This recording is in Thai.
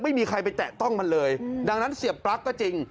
ไม่มีใครไปแตะต้องมันเลยดังนั้นเสียปลั๊กก็จริง